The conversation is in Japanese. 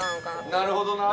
なるほどな。